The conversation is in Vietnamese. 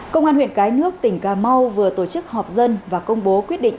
công an huyện cái nước tỉnh cà mau vừa tổ chức họp dân và công bố quyết định